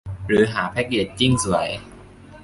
หรือหาแพ็กเกจจิ้งสวย